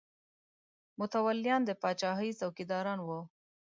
متولیان د پاچاهۍ څوکیداران وو.